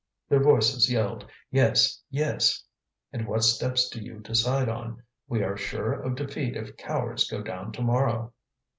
Their voices yelled, "Yes! yes!" "And what steps do you decide on? We are sure of defeat if cowards go down to morrow."